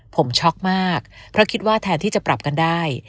ผมช็อกมากเพราะคิดว่าแทนที่จะปรับกันได้